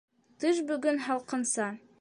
Тыш бөгөн һалҡынса.